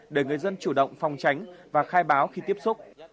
để người dân chủ động phòng tránh và khai báo khi tiếp xúc